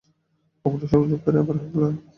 অগ্নিসংযোগকারীর আবার হামলা।